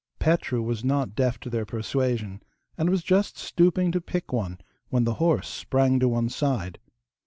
Petru was not deaf to their persuasion, and was just stooping to pick one when the horse sprang to one side.